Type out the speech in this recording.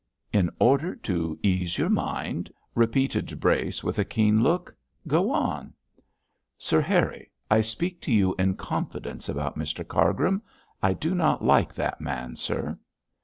'In order to ease your mind!' repeated Brace, with a keen look. 'Go on.' 'Sir Harry, I speak to you in confidence about Mr Cargrim. I do not like that man, sir.'